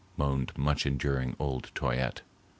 moaned much enduring old Toyatte.